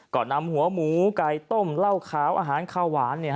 ก็นำหัวหมูไก่ต้มเหล้าขาวอาหารข้าวหวาน